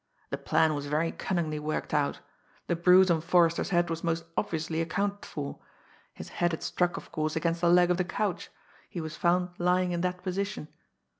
The plan was very cunningly worked out. The bruise on Forrester's head was most obviously accounted for his head had struck, of course, against the leg of the couch he was found lying in that position!